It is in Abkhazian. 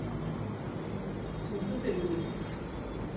Сузыӡрыҩуеит.